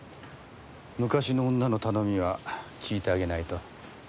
昔の女の頼みは聞いてあげないと。